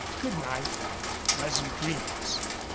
"Good night." "Pleasant dreams."